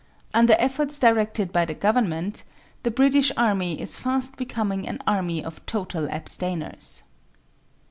Under efforts directed by the Government the British Army is fast becoming an army of total abstainers.